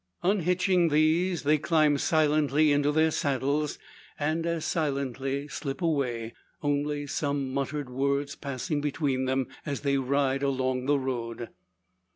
"Unhitching" these, they climb silently into their saddles, and as silently slip away; only some muttered words passing between them, as they ride along the road.